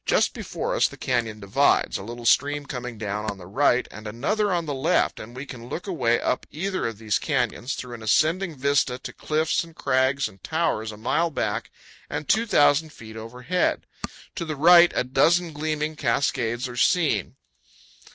Just before us the canyon divides, a little stream coming down on the right and another on the left, and we can look away up either of these canyons, through an ascending vista, to cliffs and crags and towers a mile back and 2,000 feet overhead. To the right a dozen gleaming cascades are seen.